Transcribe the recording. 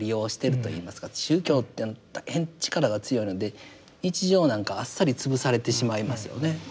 宗教って大変力が強いので日常なんかあっさり潰されてしまいますよね。